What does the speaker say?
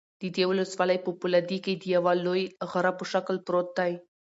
د دې ولسوالۍ په فولادي کې د یوه لوی غره په شکل پروت دى